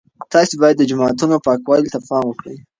تاسي باید د جوماتونو پاکوالي ته پام وکړئ.